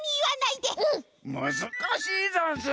むずかしいざんす。